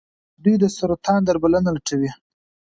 دوی د سرطان درملنه لټوي.